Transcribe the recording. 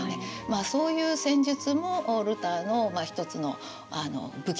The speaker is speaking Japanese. そういう戦術もルターの一つの武器だった。